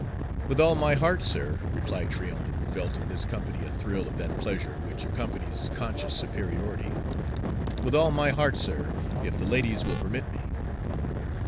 "With all my heart, sir," replied Tryon, who felt in this company a thrill of that pleasure which accompanies conscious superiority, "with all my heart, sir, if the ladies will permit me."